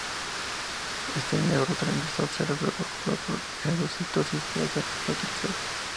Este neurotransmisor será luego recuperado por endocitosis para ser reutilizado.